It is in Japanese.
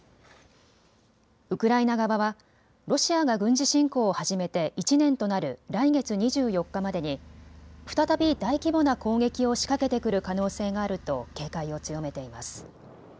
ウクライナ側はロシアが軍事侵攻を始めて１年となる来月２４日までに再び大規模な攻撃を仕掛けてくる可能性があると警戒を強めています。